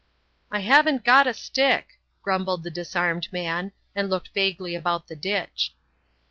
"I haven't got a stick," grumbled the disarmed man, and looked vaguely about the ditch.